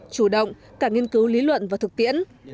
chủ động cả nghiên cứu lý luận và thực tiễn